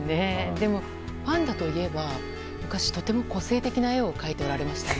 でも、パンダといえば昔、とても個性的な絵を描いておられましたよね？